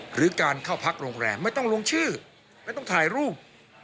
หรือการเข้าพักโรงแรมไม่ต้องลงชื่อไม่ต้องถ่ายรูป